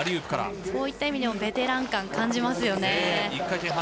そういった意味でもベテラン感感じますよね。